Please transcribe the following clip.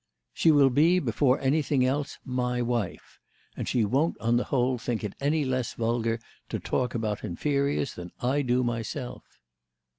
"She will be, before anything else, my wife; and she won't on the whole think it any less vulgar to talk about inferiors than I do myself."